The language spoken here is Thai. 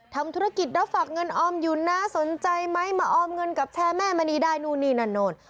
ทำธุรกิจรับฝากเงินออมอยู่นะสนใจไหมมาออมเงินกับแชร์แม่มณีได้นู่นนี่นั่นนู่น